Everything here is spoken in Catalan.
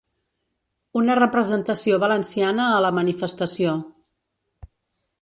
Una representació valenciana a la manifestació.